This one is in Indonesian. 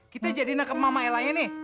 kita jadi nangkep mama ellanya nih